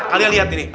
kalian lihat ini